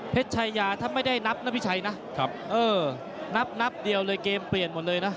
ชายาถ้าไม่ได้นับนะพี่ชัยนะเออนับนับเดียวเลยเกมเปลี่ยนหมดเลยนะ